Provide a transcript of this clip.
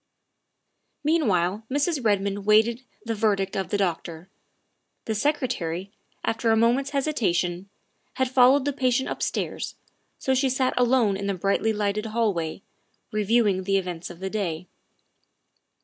Meanwhile Mrs. Redmond waited the verdict of the doctor. The Secretary, after a moment's hesitation, had followed the patient upstairs, so she sat alone in the brightly lighted hall, reviewing the events of the day.